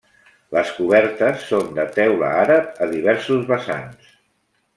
Les cobertes són de teula àrab a diversos vessants.